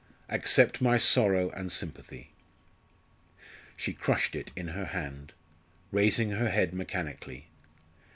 Accept my sorrow and sympathy." She crushed it in her hand, raising her head mechanically.